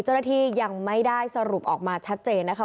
เจ้าหน้าที่ยังไม่ได้สรุปออกมาชัดเจนนะคะ